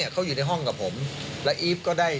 เขาอยู่ในห้องกับผมแล้วอีฟก็ได้